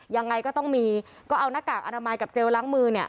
ยังไงก็ต้องมีก็เอาหน้ากากอนามัยกับเจลล้างมือเนี่ย